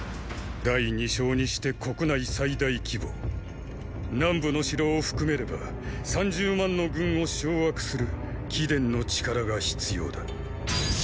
第二将にして国内最大規模南部の城を含めれば三十万の軍を掌握する貴殿の力が必要だ。